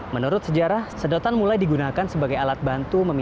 menurut sejarah sedotan mulai digunakan sebagai alat bantu memimpin